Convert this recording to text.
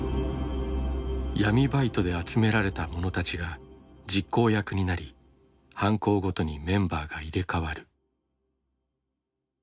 闇バイトで集められた者たちが実行役になり犯行ごとにメンバーが入れ替わる。